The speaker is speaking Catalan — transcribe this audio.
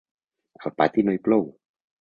Al pati no hi plou.